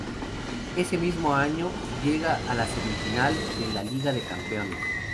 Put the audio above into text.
Ese mismo año llega a la semifinal de la Liga de Campeones.